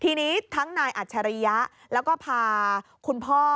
ทีนี้ทั้งนายอัจฉริยะแล้วก็พาคุณพ่อ